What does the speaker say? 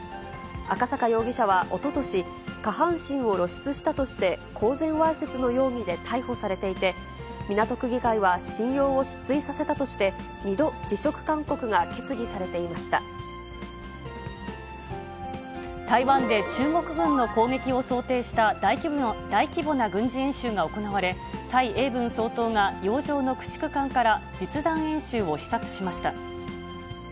赤坂容疑者はおととし、下半身を露出したとして、公然わいせつの容疑で逮捕されていて、港区議会は、信用を失墜させたとして２度、辞職勧告が決議されて台湾で中国軍の攻撃を想定した大規模な軍事演習が行われ、蔡英文総統が、洋上の駆逐艦から実弾演習を視察しました。